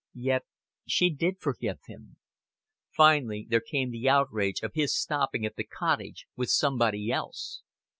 Yet she did forgive him. Finally, there came the outrage of his stopping at the Cottage with somebody else.